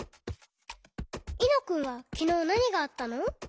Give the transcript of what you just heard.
いのくんはきのうなにがあったの？